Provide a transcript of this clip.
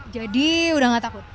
jadi udah gak takut